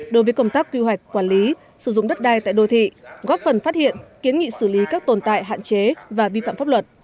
đối với công tác quy hoạch quản lý sử dụng đất đai tại đô thị góp phần phát hiện kiến nghị xử lý các tồn tại hạn chế và vi phạm pháp luật